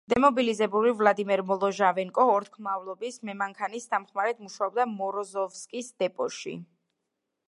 დემობილიზებული ვლადიმერ მოლოჟავენკო ორთქლმავლის მემანქანის დამხმარედ მუშაობდა მოროზოვსკის დეპოში.